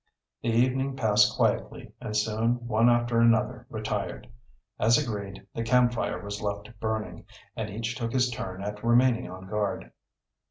The evening passed quietly and soon one after another retired. As agreed, the camp fire was left burning, and each took his turn at remaining on guard.